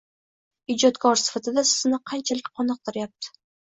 Ijodkor sifatida sizni qanchalik qoniqtiryapti?